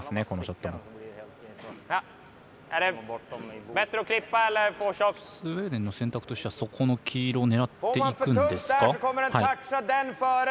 このショットもスウェーデンの選択としてはそこの黄色を狙っていくんですか。